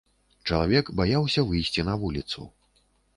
Чалавек баяўся выйсці на вуліцу.